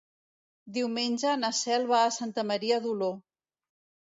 Diumenge na Cel va a Santa Maria d'Oló.